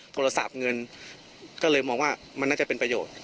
โทรศัพท์เงินก็เลยมองว่ามันน่าจะเป็นประโยชน์